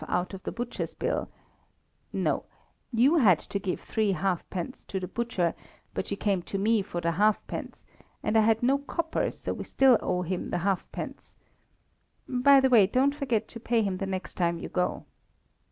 out of the butcher's bill; no you had to give 3 1/2d. to the butcher, but you came to me for the 1/2d., and I had no coppers, so we still owe him the 1/2d.; by the way, don't forget to pay him the next time you go.